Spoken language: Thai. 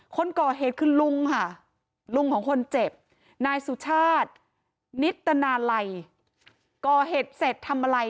คนก่อเหตุคือลุงค่ะลุงของคนเจ็บนายสุชาตินิตนาลัยก่อเหตุเสร็จทำอะไร